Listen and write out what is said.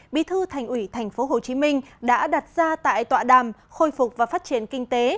bi thư thành ủy tp hcm đã đặt ra tại tòa đàm khôi phục và phát triển kinh tế